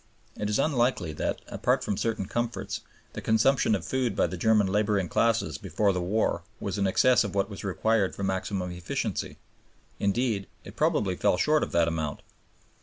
It is unlikely that, apart from certain comforts, the consumption of food by the German laboring classes before the war was in excess of what was required for maximum efficiency; indeed, it probably fell short of that amount.